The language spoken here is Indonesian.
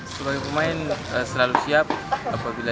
seluruh pemain semoga berhasil